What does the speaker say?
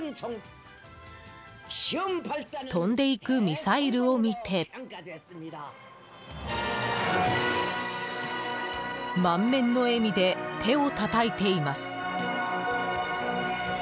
飛んでいくミサイルを見て満面の笑みで手をたたいています。